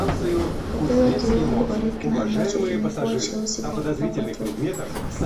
Hupewa kirungu Orikna ambacho kimekuwa cheusi kwa kupakwa tope